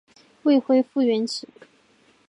未恢复原职